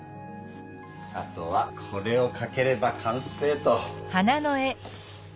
あとはこれをかければ完成と。